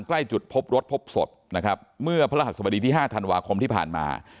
ใกล้จุดพบรถพบศพนะครับเมื่อพระหัสบดีที่๕ธันวาคมที่ผ่านมา